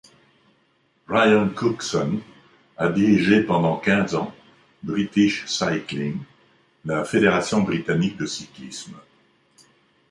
Brian Cookson a dirigé pendant quinze ans British Cycling, la fédération britannique de cyclisme.